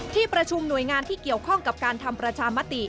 ที่ประชุมหน่วยงานที่เกี่ยวข้องกับการทำประชามติ